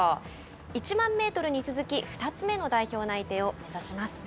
１００００メートルに続き２つ目の代表内定を目指します。